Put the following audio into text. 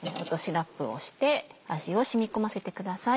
ラップをして味を染み込ませてください。